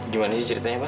gimana sih ceritanya pak